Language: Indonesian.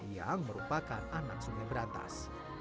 yang merupakan anak sungai berantas